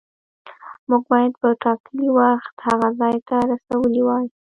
موږ باید په ټاکلي وخت هغه ځای ته رسولي وای.